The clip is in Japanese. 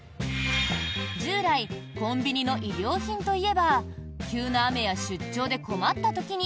従来コンビニの衣料品といえば急な雨や出張で困った時に